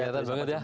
ini bagus banget ya